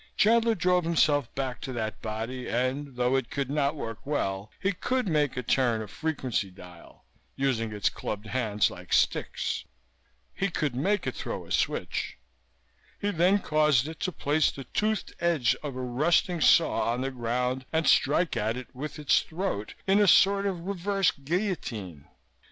Chandler drove himself back to that body and, though it could not work well, he could make it turn a frequency dial, using its clubbed hands like sticks. He could make it throw a switch. He then caused it to place the toothed edge of a rusting saw on the ground and strike at it with its throat in a sort of reverse guillotine.